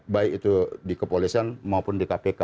baik itu di kepolisian maupun di kpk